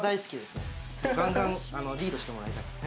ガンガンリードしてもらいたい。